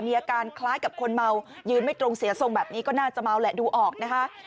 มีอาการคล้ายกับคนเมายืนไม่ตรงเสียทรงแบบนี้ก็น่าจะเมาแหละดูออกนะคะ